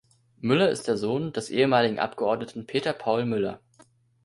Müller ist der Sohn des ehemaligen Abgeordneten Peter-Paul Müller.